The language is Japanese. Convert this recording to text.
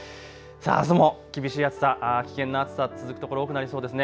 あすも厳しい暑さ、危険な暑さ続くところ多くなりそうです。